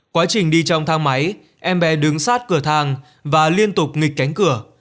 quá trình đi trong thang máy em bé đứng sát cửa hàng và liên tục nghịch cánh cửa